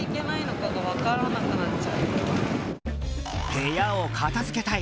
部屋を片付けたい！